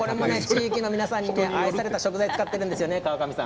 地域の皆さんに愛されているものを使ってるんですね。